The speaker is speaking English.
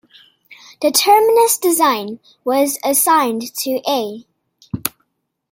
The terminus design was assigned to A.